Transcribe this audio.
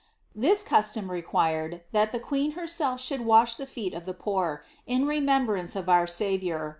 This custom required, that the queen her self should wash the feet of the poor, in remembrance of our Saviour * pppin.